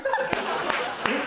えっ。